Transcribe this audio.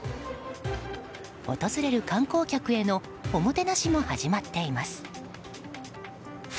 訪れる観光客へのおもてなしも始まっています。